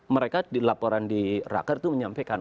mereka di laporan di raker itu menyampaikan